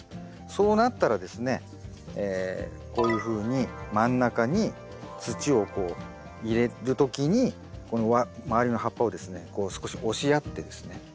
そうなったらですねこういうふうに真ん中に土をこう入れる時にこの周りの葉っぱをですねこう少し押しやってですね